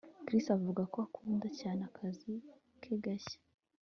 Chris avuga ko akunda cyane akazi ke gashya